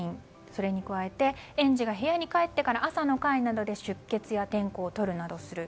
それに加えて園児が部屋に帰ってから朝の会などで出欠や点呼をとるなどする。